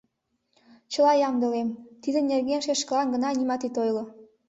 Чыла ямдылем, тидын нерген шешкылан гына нимат ит ойло.